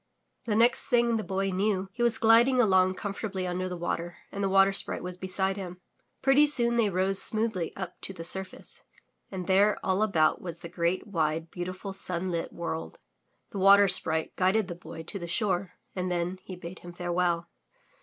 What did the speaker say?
The next thing the Boy knew he was gliding along comfort ably under the water and the Water Sprite was beside him. Pretty soon they rose smoothly up to the surface, and there all about was the great, wide, beautiful, sunlit world. The Water Sprite guided the Boy to the shore and then he bade him farewell.